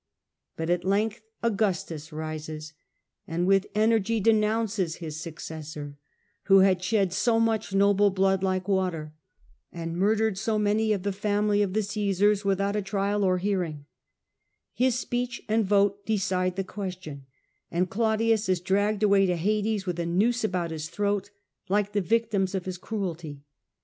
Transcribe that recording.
But at length Augustus rises, and with energy denounces his successor, who had shed so much noble blood like water, and murdered so many of the family of the Caesars without a trial or His speech and vote decide the question, and Claudius is dragged away to Hades with a noose about his throat like the victims of his cruelty.